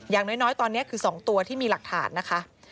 อย่างน้อยตอนนี้คือ๒ตัวที่มีหลักฐานนะคะ